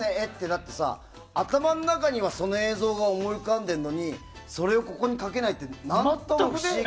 だって、頭の中にはその映像が思い浮かんでいるのにそれをここに描けないって不思議。